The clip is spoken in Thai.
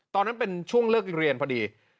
ตอนนั้นเป็นช่วงเลิกเรียนพอดี